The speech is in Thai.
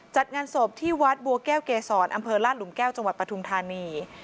จัดงานศพที่วัดบัวแก้วเกษรอำเภอลาดหลุมแก้วจังหวัดปทุมธานี